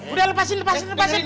udah lepasin lepasin lepasin